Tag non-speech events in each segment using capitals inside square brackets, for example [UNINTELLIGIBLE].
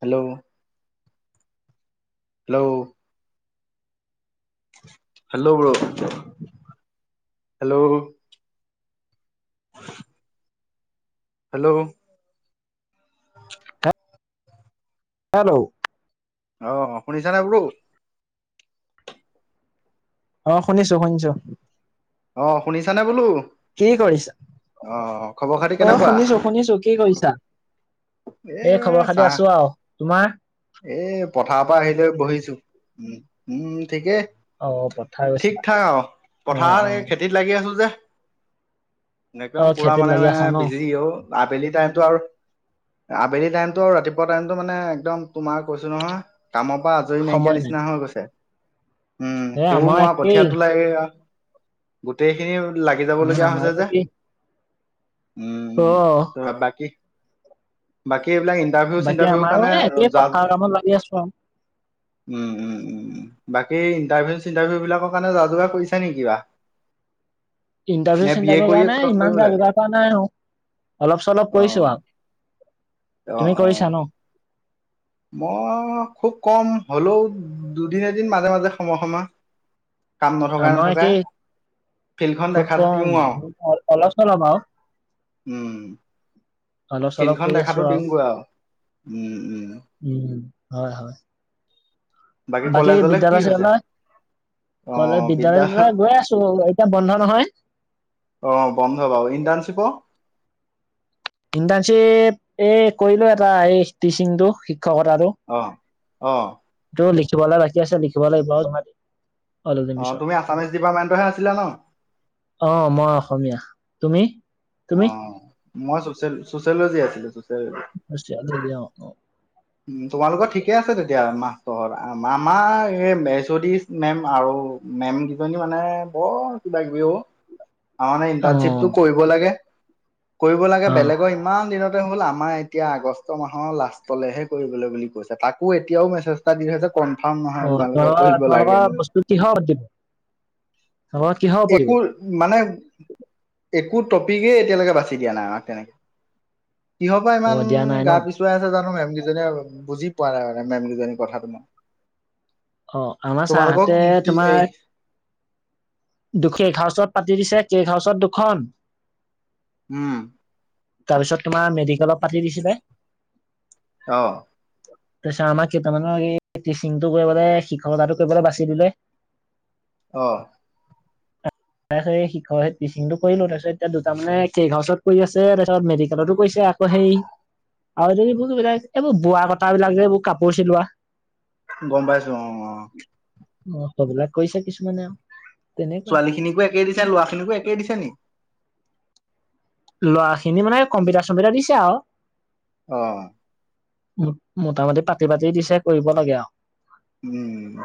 Hello hello hello bro hello [UNINTELLIGIBLE] hello hello আহ শুনিছানে bro অ শুনিছো শুনিছো আহ শুনিছানে বোলো কি কৰিছা আহ খবৰ খাতি অ কেনেকুৱা শুনিছো শুনিছো কি কৰিছা এ এই খবৰ খাতি চাহ আছো আৰু তোমাৰ এ পথাৰ পৰা আহিলৈ বহিছো উ উম ঠিকেই অ পথাৰ ঠিক গৈছিলা থাক আও অ অ পথাৰত এই খেতিত লাগি আছো যে অ একদম পুৰা খেতিত মানে লাগি আছা ন বিজি অ আবেলি টাইমতো আৰু আবেলি টাইমতটো আৰু ৰাতিপুৱা টাইমতটো মানে একদম তোমাৰ কৈছো নহয় কামৰ পৰা আজৰি সময় নাইকিয়া নাই নিচিনা হৈ গৈছে উম এ কোৰ আমাৰ মৰা একেই কঠিয়তোলা এয়া গোটেইখিনি লাগি যাব উ লগগীয়া আমাৰো হৈছে যে একেই উম অ ত বাকী বাকী এইবিলাক ইন্টাৰভিউ বাকী চিন্টাৰভিউৰ আমাৰো এ একেই কাৰণে যা পথাৰ কামত লাগি আছো আৰু উম উম উম বাকী বাকী ইণ্টাৰভিউ চিন্টাৰভিউ বিলাকৰ কাৰণে যা যোগাৰ কৰিছা নি কিবা ইণ্টাৰভিউ নে বি এ চিণ্টাৰভিউ কৰিয়ে কাৰণে খতম ইমান কৰিম যা লাগে যোগাৰ কৰা নাই অ অলপ চলপ অ কৰিছো আও অ তুমি অ কৰিছা ন মই খুব কম হ'লেও দুদিন এদিন মাজে মাজে সময় সময় কাম নথকাই মই নথকাই একেই ফিল্ডখন খুব দেখাটো কম দিওঁ আৰু অলপ চলপ বাও উম অলপ চলপ ফিল্ডখন কৰি আছো দেখাটো আও দিওঁগৈ আৰু উম উম উম হয় হয়। বাকী কলেজলে কি বিদ্যালয় হৈছে চিদ্যালয় অ কলে বিদ্যালয় বিদ্যা চিদ্যালয় গৈ আছো এতিয়া বন্ধ নহয় অহ বন্ধ বাৰু ইণ্টাৰ্ণশ্বিপৰ ইণ্টাৰ্ণশ্বিপ এই কৰিলো এটা এই টিচিংটো শিক্ষকতাটো অ অ ত লিখিবলৈ বাকি আছে লিখিব লাগিব আও। অল দিম অ পিছত তুমি আছামিছ ডিপাৰ্টমেন্টৰহে আছিলা ন আহ মই অসমীয়া তুমি? তুমি অ মই চচিয় চচিঅ'লজী আছিলো। চচিয়লজি য় আ দ অ উ তোমালোকৰ ঠিকে আছে তেতিয়া মা মামাৰ এই মেচতী মেম আৰু মেম কেইজনী মানে বৰ কিবা কিবি অ। উ কাৰণ এই ইণ্টাৰ্ণশ্বিপটো কৰিব লাগে। কৰিব লাগে বেলেগৰ ইমান দিনতে হ'ল আমাৰ এতিয়া আগষ্ট মাহৰ লাষ্টলেহে কৰিবলৈ বুলি কৈছে তাকো এতিয়াও মেছেজ এটা দি থৈছে কনফাৰ্ম নহয় তোমালোকে তোমালোকৰ কৰিব তোমালোকৰ লাগে যে বস্তু কিহৰ ওপৰত দিব তোমালোকৰ কিহৰ ওপৰত দিব একো মানে একো টপিকেই এতিয়ালৈকে বাছি দিয়া নাই আমাক তেনেকে কিহৰ পৰা অ ইমান দিয়া নাই ন গা পিছুৱাই আছে জানো মেম জনে বুজি পোৱা নাই আৰু মেম কজনী কথাটো মই অ আমাৰ তোমালোকক ছাৰহঁতে মুক্তি এই দুখেই ঘাউচত পাতি দিছে কেইঘাউচত দুখন উম তাৰপিছত তোমাৰ মেডিকেলত পাতি দিছিলে। অহ। তাৰপিছত আমাক কেইটামানৰ এই টিচিংটো কৰিবলে শিক্ষকতাটো কৰিবলে বাছি দিলে। অ তাৰপিছত এই শিকৰ এই টিচিংটো কৰিলো তাৰপিছত এতিয়া দুটা মানে কেক হাউছত কৰি আছে তাৰছত মেডিকেলতো কৰিছে। আকৌ সেই আৰু এইবোৰ যিবিলাক এইবোৰ বোৱা কটাবিলাক যে এইবোৰ কাপোৰ চিলোৱা। গম পাইছো অ অ অ সেইবিলাক কৰিছো কিছুমানে আৰু তেনেকুৱাই ছোৱালী খিনিকো একেই দিছে ল'ৰা খিনিকো একেই দিছে নি লৰা খিনি মানে কম্পিউটাৰ চম্পিউটাৰ দিছে আও অ মোটামুটি পাতি পাতি দিছে কৰিব লাগে আৰু উম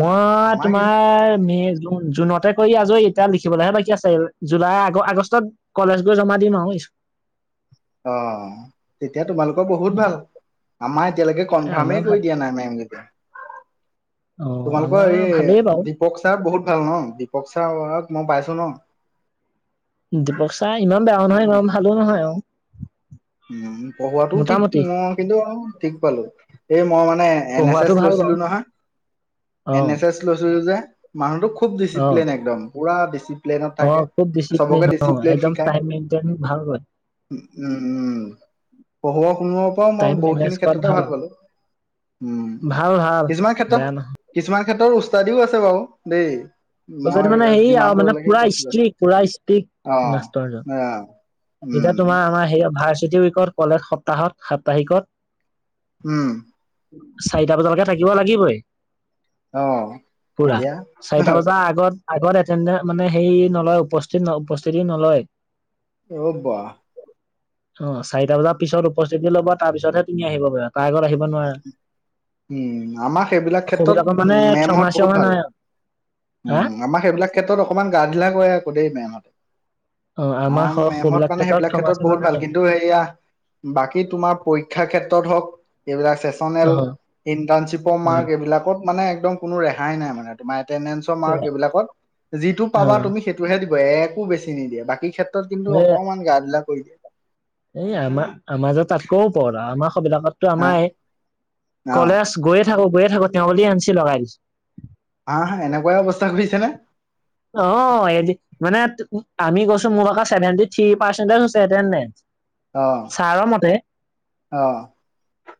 মই আমাৰ কি তোমাৰ মেজ জুনতে কৰি আজৰি এতিয়া লিখিবলৈহে বাকী আছে জুলাই আগ আগষ্টত কলেজ গৈ জমা দিম আও অ অ তেতিয়া তোমালোকৰ বহুত ভাল আমাৰ এতিয়ালৈকে আমাৰ কনাৰ্মে ভাল কৰি দিয়া নাই মেমগিতা অ তোমালোকৰ আমাৰ ভালেই বাৰু এই দপক ছাৰ বহুত ভাল ন দীপক চাৰ। অহক মই পাইছো ন। দীপক চাই ইমান বেয়াও নহয় গৰম ভালে নহয় আও উম পঢ়োৱাতটো ঠিক অ কিন্তু ঠিক পালো। এই মই মানে এন এছ পঢ়োৱাটো এছ ভাল লৈছিলো বাৰু নহয়। এন অ', এছ এছ লৈছিলো যে মানুহতো খুব অ', ডিচিপ্লিন একদম পুৰা ডিচিপ্লনত থাকে। অ', খুব চবকে ডিচিপ্লিন একদম শিকায় টাইম মেইনতেন ভাল হয়। উম উম পঢ়োৱা শুনোৱা পৰাও মই টাইম মেনেজ বহুতখিনি কৰাত ক্ষেত্ৰতে ভাল আৰু পালো। উম ভাল ভাল কিছুমান ক্ষেত্ৰত বেয়া নহয় কিছুমান ক্ষেত্ৰৰ উস্তাদিও আছে বাৰু দেই। তাৰপিছত মই মানে হেৰি আৰু যিমান মানে দূৰলৈকে পুৰা গ [UNINTELLIGIBLE] ষ্ট্ৰিক পুৰা ষ্ট্ৰিক মাষ্টৰজন অহ অ এতিয়া উম তোমাৰ আমাৰ সেই ভাৰ্চিটি উইকৰ কলেজ সপ্তাহত সাপ্তাহিকত উম চাৰিটা বজালৈকে থাকিব লাগিবই। অ পুৰা তেতিয়া চাৰিটা বজাৰ আগত আগত এটেনদে মানে সেই নলয় উপস্থিত ন উপস্থিতি নলয় ৰবা অ চাৰিটা বজাৰ পিছত উপস্থিতি ল'বা তাৰ পিছতহে তুমি আহিব পাৰা তাৰ আগত আহিব নোৱাৰা উম আমাৰ সেইবিলাক ক্ষেত্ৰত সৌবিলাকত মানে মেমহত ক্ষমা বহুত চ্যমা ভাল নাই আৰু হা উম আমাৰ সেইবিলাক ক্ষেত্ৰত অকণমান গা ধিলা কৰে আকৌ দেই মেমহতে অ আমাৰ মেমহত সৌবিলাক মানে সেইবিলাক ক্ষমা ক্ষেত্ৰত চ্যমা বহুত ভাল নাই। কিন্তু সেয়া বাকী তোমাৰ পৰীক্ষা ক্ষেত্ ক্ষেত্ৰত হওক এইবিলাক অ ছেছনেল ইন্টানশিপ অ মাৰ্ক এইবিলাকত মানে দম কোনো ৰেহাই নাই মানে তোমাৰ এটেনদেনছ্ মাৰ্ক এইবিলাকত যিটো অ পাবা সেইটোহে দিব- একো বেছি নিদিয়ে বাকী ক্ষেত্ৰত কিন্তু এ অকমান গা ধিলা কৰি দিয়ে। এই আমাৰ আমাৰ যে তাতকৈও ওপৰত আমাৰ বিলাকত ত হা আমায়ে এই অ কলেজ গৈ য়ে থাকো গৈয়ে তেওঁ ক তেওঁ বুলি এনছি লগাই দিছে। হা হা এনেকুৱাই অৱস্থা কৰিছে নে? অ এ দি মানে আমি গৈছো মোৰ আ চছেভেণ্টি থ্ৰি আছে পাৰ্চেণ্টেজ। আহ আহ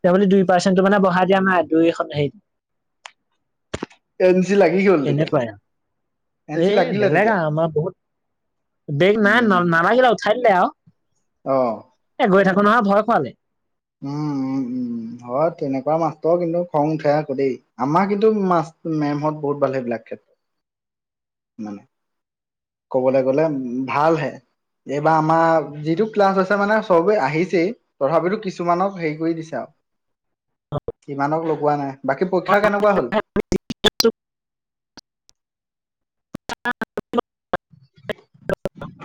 তেওঁ বুলি দুই পাৰ্চেণ্টটো মানে বঢ়াই দিয়া নাই দুই এখন হেৰিত এন চি লাগি গ'ল তেতিয়া এনেকুৱাই এন চি এ লাগিলে বেলেগ তেতিয়া আৰু আমাৰ বহুত বেগ নাই ন নালাগিলে উঠাই দিলে আও অহ নুৱা ভয় খুৱালে উম উ উ উ হয় তেনেকুৱা মাস্তৰ কিন্তু খং উঠে আকৌ দেই আমাৰ কিন্তু মাস্ত মে মাহত বহুত ভালে এবিলাক ক্ষেত্ৰত মানে ক'বলৈ গ'লে ভাল হে এইবাৰ আমাৰ যিটো ক্লাছ হৈছে মানে চবেই আহিছেই তথাপিতো কিছুমানক হেৰি কৰি দিছে আও [INAUDIBLE] ইমানক লগোৱা নাই। বাকী পৰীক্ষা কেনেকুৱা হ'ল। [UNINTELLIGIBLE]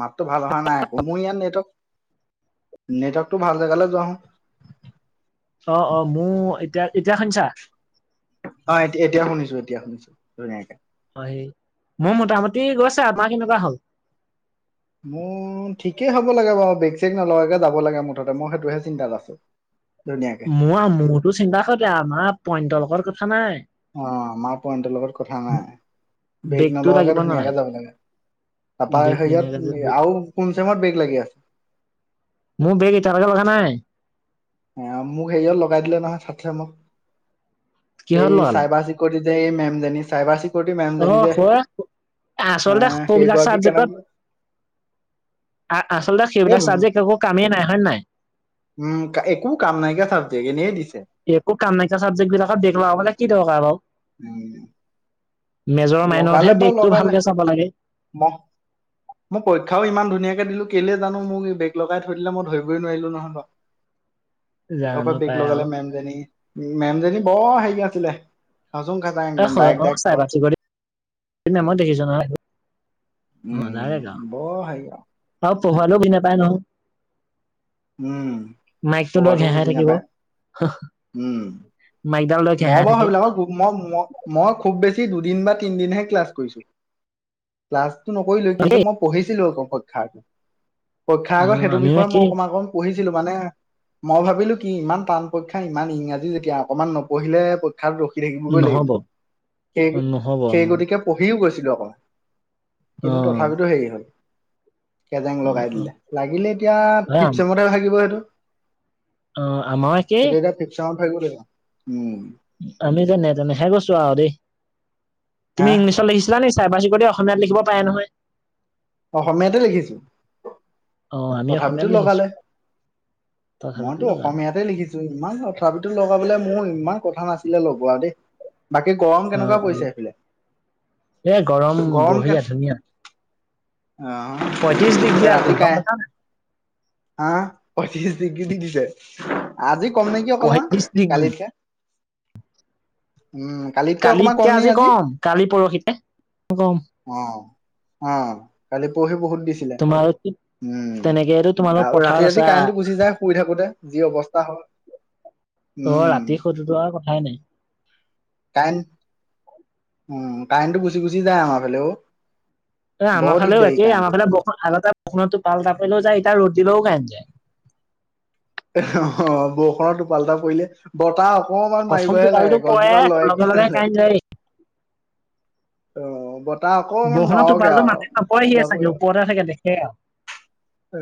মাতটো ভাল অহা নাই আকৌ মোৰ ইয়াত নেটৱৰ্ক নেটৱৰ্কটো ভাল জেগালৈ যোৱা হু অ অ মোৰ এতিয়া এতিয়াখানছা অ এয়া এতিয়া শুনিছো এতিয়া শুনিছো ধুনীয়াকে মই মোটামুটি গৈছে আপাৰ কেনেকুৱা হ'ল। মোৰ ঠিকেই হ'ব লাগে বাৰু বেগ চেগ নলাকে যাব লাগে মুঠতে মই সেইটোহে চিন্তাত আছো ধুনীয়াকে মোৰ মোৰতো চিন্তা কৰে আমাৰ পইণ্টলোকৰ কথা নাই [UNINTELLIGIBLE] অ আমাৰ পইণ্টৰ লগত কথা নাই বেগ বেগটো নলাকে লাগিব ধুনীয়াকে নালাগে যাব লাগে তাৰপা বেগ ধুনীয়াকে যে হেয়াত আৰু কোন চেমত বেগ লাগি আছে মোৰ বেগ এতিয়া লৈকে লগা নাই [UNINTELLIGIBLE] মোক হেৰিও লগাই দিলে নহয় ছাতে মোক সে কিহত লগালে চাইবাৰ চিকিউৰিটি [UNINTELLIGIBLE] দে মেমজনী চাইবাক [UNINTELLIGIBLE] অ হয় এ আচলতে সবিলাক সেইগৰাকী চাবজেক্টত কেনেকে [UNINTELLIGIBLE] আচলতে এই সেইবিলাক চাবজেক্ট একো কামেই নাই হয় নাই উম একো কাম নাইকীয়া চাবজেক এনে দি একো কাম নাইকা চাবজেক্ট বিলাকত বেক লগাবলে কি দৰকাৰ বাৰু উম [UNINTELLIGIBLE] মাইনৰতহে লগালে বাৰু বেগটো লগালে ভালকে চাব লাগে ম মোৰ পৰীক্ষাও ইমান ধুনীয়াক দিলো কেলে জানো মোক এই বেগ লগাই থৈ দিলে মই ধৰিবই নোৱাৰিলো নহয় ব কিহৰ জানো পৰা বেগ পাই আৰু লগালে মেমজনী মেমজনী বৰ হেৰি আছিলে খাচং খাচাং এ একদম হয় ডায়েক অ চাই দায়েক বাচি কৰি [UNINTELLIGIBLE] তুমি মই দেখিছো নহয় উম ব অ পোহালো বি নাপায় নহয় উম মাইকটো লৈ পবাতটো ঘেহাই বুজি থাকিব নাপায় [UNINTELLIGIBLE] উম মাইকডাল লৈ মই ঘেহাই বাৰু থাকে সেইবিলাকৰ মই মই খুব বেছি দুদিন বা তিনদিনহে ক্লাছ কৰিছো ক্লাছটো নকৰিলো কিন্তু দেই মই পঢ়িছিলো আকৌ পক্ষাৰ পৰীক্ষাৰ অ আগত সেইটো আমি মানে বিষয়ে মই কি [UNINTELLIGIBLE] পঢ়িছিলো মানে মই ভাবিলো কি ইমান টান পৰীক্ষা ইমান ইংৰাজী যেতিয়া অকমান নপঢ়িলে কঠাত ৰখি থাকিবগৈ লাগিব নহব সেই অ নহব অ সেই গতিকে পঢ়িও গৈছিলো অকমান অ কিন্তু তথাপিতো হেৰি হ'ল কেজেং অ লগাই অ দিলে লাগিলে এতিয়া ফিফ চেমতে ভাগিব সেইটো [UNINTELLIGIBLE] আহ আমাৰো সেইটো একেই এতিয়া ফিফ চেমত উম [UNINTELLIGIBLE] আমি তেনে [UNINTELLIGIBLE] তেনেহে গৈছো আৰু দেই হা তুমি ইংলিছত লিখিছিলা নিে চাৰ্বা চিকট অসমীয়াত লিখিব পাৰে নহয় [UNINTELLIGIBLE] অসমীয়াতে লিখিছো অ আমি তথাপিতো অসমীয়াত লিখিছো লগালে তথাপিতো মইতো লগা নাই অসমীয়াতে লিখিছো ইমান তথাপিতো লগ বোলে মোৰ ইমান কথা নাছিলে লগোৱা দেই বাকী গৰম অ কেনেকুৱা অ পৰিছে সেইফালে এ গৰম কে বঢ়িয়া ধুনীয়া অ পঁয়ত্ৰিশ ডিগ্ৰী আজি ৰাতি গম কাই [UNINTELLIGIBLE] পাইছা নাই হা পঁচিছ ডিগ্ৰী দি দিছে আজি কম নেকি অকমান পঁয়ত্ৰিশ ডিগ্ৰী কালিতকে উম কালিতকে অকমান কম নি আজি কম অ অ কালি পঢ়হি বহুত দিছিলে তোমাৰো কি উম তেনেকেতো [UNINTELLIGIBLE] তোমালোক আৰু ৰাতি পথাৰত ৰাতি আছা কাৰেন্টটো গুচি যায় শুই থাকোতে যি অৱস্থা হয় তোৰ ৰাতি শুটেৱা কথাই নাই [UNINTELLIGIBLE] কাৰেণ উম কাইনটো গুচি গুচি যায় আমাৰ ফালে অ এ আমাৰ বৰ ফালেও দিগদাৰি একেই কাৰেণ্টটো। আমাৰ ফালে বৰষত হাল এ [UNINTELLIGIBLE] কখোতো পাল তটাপাললেও যায় তাৰ ৰ'দ দিলেও কন যায় [UNINTELLIGIBLE] অ বৰষুণৰ টোপাল এটা পৰিলে বতাহ অকমান প্ৰথম মাৰিবহে টোপালটো লাগে পৰে গছজোপা লয় লগে কি লগে নলয়ে কাৰেণ্ট যায়েই। অ বৰষুণত মাৰক টোপাল আৰু মাতে নপায়হিয়ে যাবই চাগে আৰু ওপৰতে থাগে দেখে আৰু অ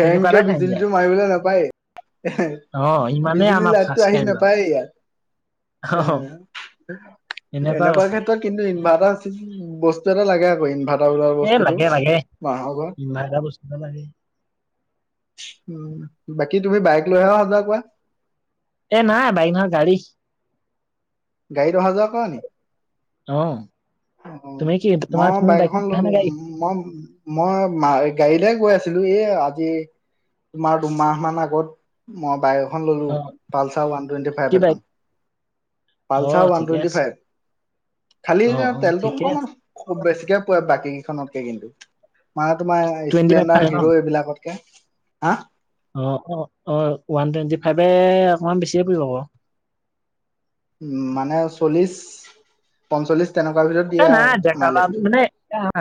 তেনেকুৱা এটা কাৰেণ্ট যায়। বিজুলীটোৰ মাৰিবলৈ নাপায় এ অ ইমানেই বিজুলীৰ আমাৰ লাইটটো ফাৰ্ষ্ট আহি কাৰেণ্ট যোৱা নাপায় ইয়াত উ অ এনেকুৱা এনেকুৱা কথা ক্ষেত্ৰত কিন্তু ইনভাৰ্টাৰ বস্তু এটা লাগে আ কৰিম ভাল এ লাগে লাগে ইমান এটা বস্তুটা লাগে উম, বাকী তুমি বাইক লৈহে অহা যোৱা কৰা এ নাই বাইকখন গাড়ী গাড়ী অহা যোৱা কৰা নি অ অ তুমি কি তোমাৰ মই তুমি বাইক এখন ললো নে গাড়ী মই মই ম গাড়ীলে কৈ আছিলো এ আজি তোমাৰ দুমাহ মান আগত মই বাই খন ললো অ পালছা ওৱান টুৱেণ্টি ফাইভ কি এখন বাইক অ পালছা ওৱান ঠিকে টুৱেণ্টি আছে ফাইভ অ খালীতি অ তেলটো ঠিকে অকমান আছে বেছিকে পোৱে বাকী কেইখনতকে কিন্তু মানে তোমাৰ টুৱেণ্টি ফাইভ মানে স্প্লেণ্ডাৰ ন হিৰো এইবিলাকতকে হা অ অ অ ওৱান টুৱেণ্টি ফাইভে অকমান বেছিয়ে পৰিব আকৌ উ মানে চল্লিশ পঞ্চল্লিশ তেনেকুৱা ভিতৰত এ দিয়ে আৰু নাই ডেকালৱা আমি মাইলেজটো মানে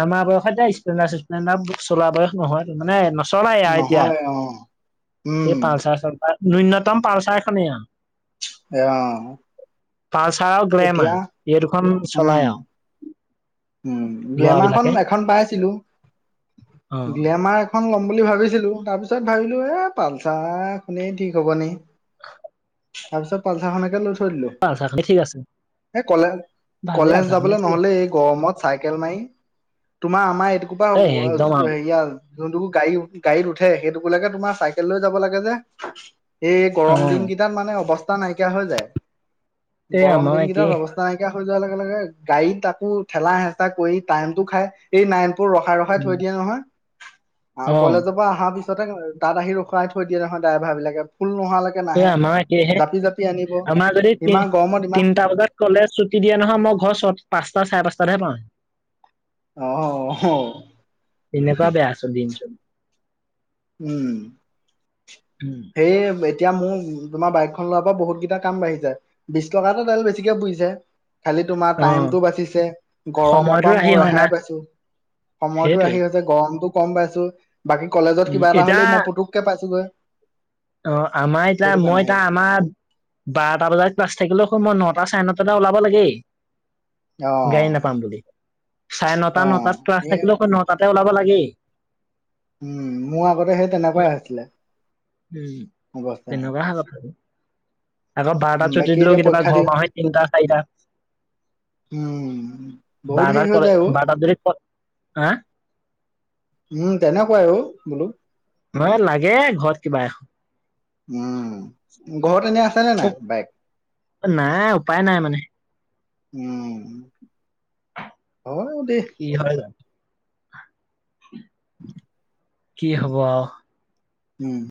আমাৰ বয়সতে স্কুল ন না চলা বয়স নহয় ত মানে চলাই এতিয়া নহয় অ স উম পালচাৰ চালচাৰ ন্যূনতম পালচাৰ এখনেই আও আহ পালচাৰ আৰু গ্লেমাৰ এই দুখন চলাই উম আৰু উম গ্লেমাৰখন ল'ৰাবিলাকে এখন পাইছিলো অ গ্লেমাৰ খখন ল'ম বুলি ভাবিছিলো তাৰ পিছত ভাবিলো এ পালচা খনে ঠিক হ'ব নি তাৰ পিছত পালচাখনকে লৈ থৈ দিলো পালচাৰ খনে ঠিক আছে কলে ভালে কলেজ পালচাৰ খনে যাবলৈ ঠিক আছে নহলে গৰমত চাইকেল মাৰি তোমাৰ আমাৰ এটোকোপা এ একদম হেয়া যোনটোকো গাড়ী গাড়ীত উঠে সেইটোককে তোমাৰ চাইকেল লৈ যাব লাগে যে এই অ গৰম দিন কেইটাত মানে অৱস্থা নাইকিয়া হৈ যায় এই গৰম আমাৰ দিন কেইটাত একেই অৱস্থা নাইকিয়া হৈ যোৱাৰ লগে লগে গাড়ীত তাকো ঠেলা হেঁচা কৰি টাইম টো খাই এই নাইন বোৰ ৰখাই ৰখাই থৈ দিয়ে নহয় আৰু অ কলেজৰ পৰা অহা পিছত ছতে তাত আহি ৰখুৱাই থৈ দিয়ে নহয় ড্ৰাইভাৰ বিলাকে ফুল নোহালৈকে এই নাহে আমাৰ একেইহে জাপি জাপি আ- আনিব ইমান গমত তিনিটা বজাত কলেজ ছুটি দিয়া নহয় মই ঘৰ পাঁচটা চাৰে পাঁচটাতহে পাওঁহি আহ এনেকুৱা বেয়া চব দিন চব আহ উম সেই এতিয়া মোৰ তোমাৰ বাইকখন লোৱাৰ পৰা বহুত কেইটা কাম বাঢ়িছে বিশ টকাটো তেল বেছিকে পোৰিছে খালি তোমাৰ অ টাইমটো বাচিছে গৰমৰ সময়তো পৰা ৰাহি মই হয় না ৰেহাই পাইছো সময়তো সেইটোৱে আহি হৈছে গৰমটো কম পাইছো বাকী কলেজত উম কিবা এটা এতিয়া হ'লে মই পুটুককে পাইছোগৈ অ আমাৰ এতিয়া সেইটো কাৰণে মই আহি এতিয়া আমাৰ বাৰটা বজাত ক্লাছ থাকিলেও হয় মই নটা টা চাই নটাতেই ওলাব লাগেই অ গাড়ী নাপাম বুলি চাৰে নটা অ নটাত ক্লাছ এ থাকিলেও মই নটাত ওলাব লাগেই উম মোৰ আগতে সেই তেনেকুৱাই হৈছিলে উম অৱস্থা নাই। তেনেকুৱা হ কথা আৰু আকৌ বাৰটা উম চুটি বাকী দিলেও এতিয়া কেতিয়াবা পৰীক্ষা ঘৰ দিওঁ মাওহি তিনিটা চাৰিটা উম বহুত হেৰি বাদাৰ হৈ কৰে যায় অ বাদাৰ দৰে হা উম তেনেকুৱাই অ বোলো মহ লাগে ঘৰত কিবা এখন [UNINTELLIGIBLE] উম ঘৰত এনে আছে নে নাই বাইক নাই উপায় নাই মানে উম হয় দে কি হয় কি হব উম